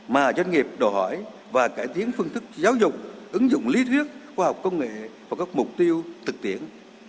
mà doanh nghiệp đòi hỏi và cải tiến phương thức giáo dục ứng dụng lý thuyết khoa học công nghệ vào các mục tiêu thực tiễn